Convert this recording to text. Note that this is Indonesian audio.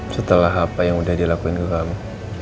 setelah apa yang udah dilakukan ke kamu